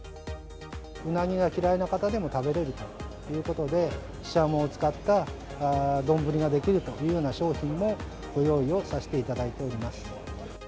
ウナギが嫌いな方でも食べれるということで、シシャモを使った丼ができるというような商品もご用意をさせていただいております。